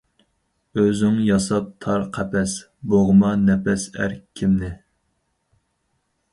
ئۆزۈڭ ياساپ تار قەپەس، بوغما نەپەس ئەركىمنى.